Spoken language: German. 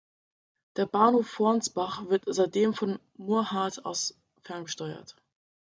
Der Bahnhof Fornsbach wird seitdem von Murrhardt aus ferngesteuert.